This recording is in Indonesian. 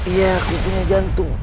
iya aku punya jantung